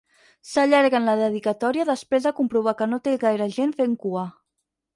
S'allarga en la dedicatòria després de comprovar que no té gaire gent fent cua.